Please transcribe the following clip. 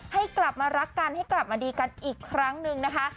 ให้กลับมารักกันให้กลับมาดีกันอีกครั้งหนึ่งนะคะ